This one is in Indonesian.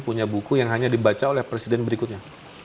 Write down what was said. punya buku yang hanya dibaca oleh presiden berikutnya